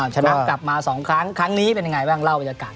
ชนะกลับมา๒ครั้งครั้งนี้เป็นยังไงบ้างเล่าบรรยากาศ